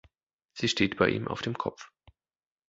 Sie steht bei ihm auf dem Kopf.